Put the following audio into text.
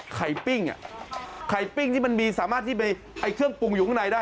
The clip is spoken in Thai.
ปิ้งอ่ะไข่ปิ้งที่มันมีสามารถที่ไปไอ้เครื่องปรุงอยู่ข้างในได้